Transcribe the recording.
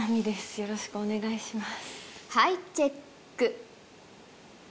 よろしくお願いします。